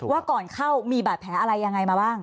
ว่าก่อนเข้ามีบาดแผลอะไรยังไงมาบ้าง